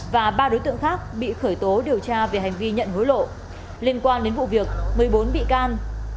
vụ việc một mươi bốn bị can